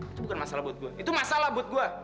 itu bukan masalah buat gue itu masalah buat gue